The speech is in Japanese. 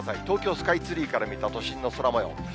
東京スカイツリーから見た都心の空もよう。